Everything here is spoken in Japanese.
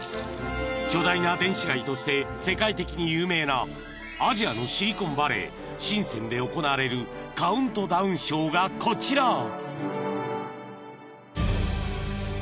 ［巨大な電子街として世界的に有名なアジアのシリコンバレー深で行われるカウントダウンショーがこちら］